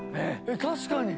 確かに。